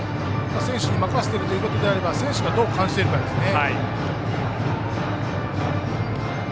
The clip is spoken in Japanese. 選手に任せているのであれば選手がどう感じているかですね。